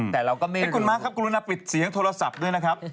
แต่เราก็ไม่เห็นคุณมาร์คครับกรุณาปิดเสียงโทรศัพท์ด้วยนะครับ